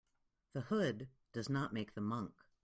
The hood does not make the monk.